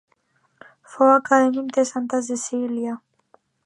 Fou acadèmic de Santa Cecília.